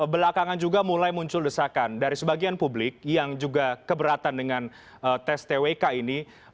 belakangan juga mulai muncul desakan dari sebagian publik yang juga keberatan dengan tes twk ini